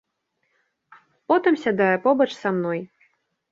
Потым сядае побач са мной.